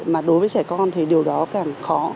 mà đối với trẻ con thì điều đó càng khó